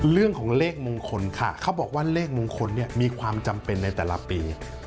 เรื่องของเลขมงคลค่ะเขาบอกว่าเลขมงคลเนี่ยมีความจำเป็นในแต่ละปี